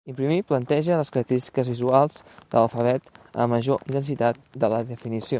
Imprimir planteja les característiques visuals de l'alfabet a major intensitat de la definició.